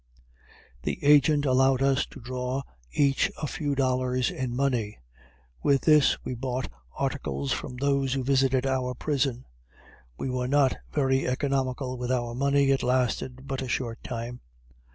The agent allowed us to draw each a few dollars in money; with this we bought articles from those who visited our prison. We were not very economical with our money; it lasted but a short time.